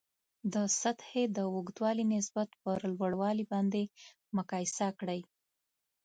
د سطحې د اوږدوالي نسبت پر لوړوالي باندې مقایسه کړئ.